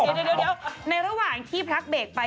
ในระหว่างที่พลักเบรกไป